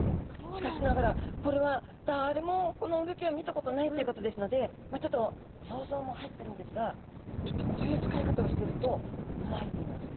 しかしながらこれはだれもこのうギョきを見たことないということですのでちょっと想像も入ってるんですがきっとこういう使い方をしてると思われています。